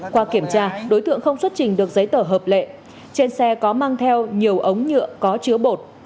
qua kiểm tra đối tượng không xuất trình được giấy tờ hợp lệ trên xe có mang theo nhiều ống nhựa có chứa bột